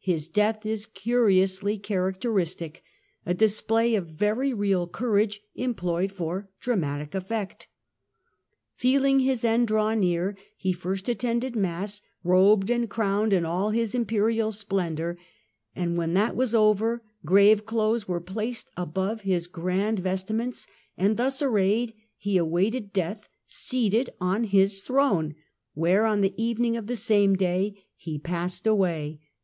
His death is curi ously characteristic ; a display of very real courage em ployed for dramatic effect. Feeling his end draw near, he first attended Mass robed and crowned in all his Imperial Death of splcndour, and when that was over grave clothes were 9th' Dec"' ' placed above his grand vestments, and thus arrayed he ^^^^ awaited death seated on his throne, where on the evening of the same day he passed away.